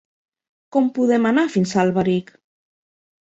Com podem anar fins a Alberic?